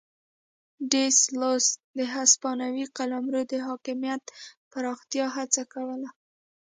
ډي سلوس د هسپانوي قلمرو د حاکمیت پراختیا هڅه کوله.